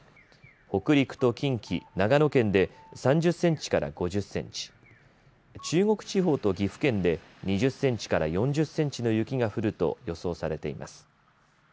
北陸と近畿、長野県で３０センチから５０センチ中国地方と岐阜県で２０センチから４０センチの雪が降ると予想されています。